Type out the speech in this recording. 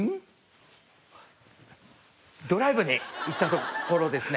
ドライブに行ったところですね